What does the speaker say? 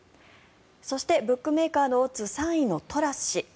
そして、ブックメーカーのオッズ３位のトラス氏。